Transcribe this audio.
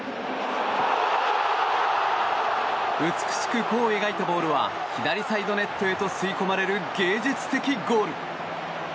美しく弧を描いたボールは左サイドネットへと吸い込まれる芸術的ゴール。